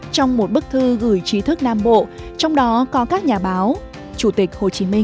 trong một bức thư gửi trí thức nam bộ trong đó có các nhà báo chủ tịch hồ chí minh